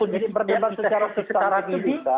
dengan berdebat secara susah seperti ini